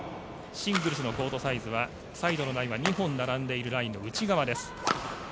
シングルスのコートサイズはサイドのラインは２本並んでいるラインの内側です。